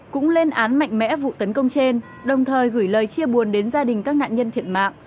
cũng lên án mạnh mẽ vụ tấn công trên đồng thời gửi lời chia buồn đến gia đình các nạn nhân thiệt mạng